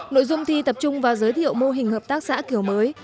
nội dung thi tập trung vào giới thiệu mô hình hợp tác xã kiểu mới